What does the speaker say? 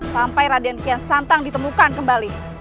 sampai raden kian santang ditemukan kembali